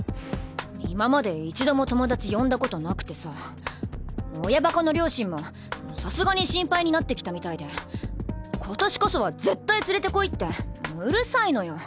今まで一度も友達呼んだことなくてさ親バカの両親もさすがに心配になってきたみたいで今年こそは絶対連れてこいってうるさいのよ。